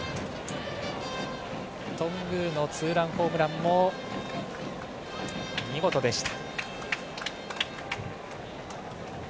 頓宮のツーランホームランも見事でした。